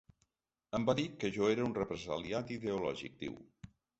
Em va dir que jo era un represaliat ideològic, diu.